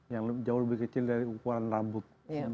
yang jauh lebih kecil dari ukuran rambut